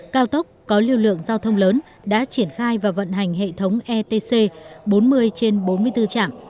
cao tốc có lưu lượng giao thông lớn đã triển khai và vận hành hệ thống etc bốn mươi trên bốn mươi bốn trạm